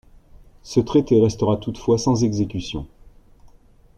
Ce traité restera toutefois sans exécution.